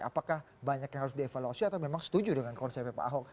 apakah banyak yang harus dievaluasi atau memang setuju dengan konsepnya pak ahok